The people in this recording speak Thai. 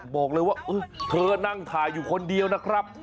บอกเลยว่าเธอนั่งถ่ายอยู่คนเดียวนะครับ